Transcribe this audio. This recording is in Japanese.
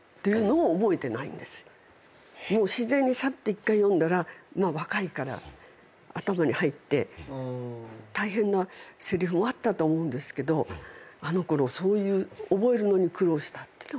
もう自然にさっと１回読んだら若いから頭に入って大変なせりふもあったと思うんですけどあのころそういう覚えるのに苦労したっていうのはないんです。